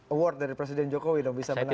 award dari presiden jokowi dong bisa menang